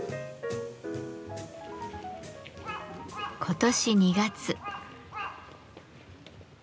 今年２月。